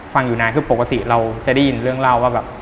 อยู่นานคือปกติเราจะได้ยินเรื่องเล่าว่าแบบ